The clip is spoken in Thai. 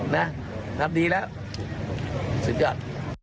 นะทำดีแล้วสุดยอด